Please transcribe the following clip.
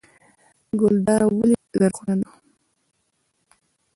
ګلدره ولې زرغونه ده؟